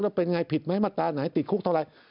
แล้วเป็นอย่างไรผิดไหมมัตตาไหนติดคุกเท่าไร